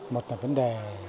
một là vấn đề